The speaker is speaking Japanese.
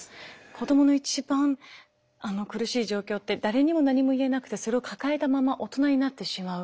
子どもの一番苦しい状況って誰にも何も言えなくてそれを抱えたまま大人になってしまう。